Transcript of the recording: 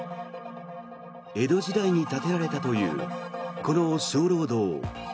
江戸時代に建てられたというこの鐘楼堂。